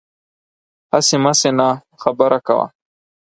هسې مسې نه، خبره کوه